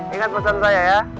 ingat pesan saya ya